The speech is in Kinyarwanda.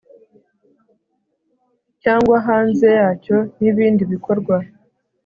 cyangwa hanze yacyo n ibindi bikorwa